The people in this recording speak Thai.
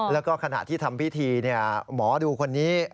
แล้วก็ขณะที่ทำพิธีหมอดูคนนี้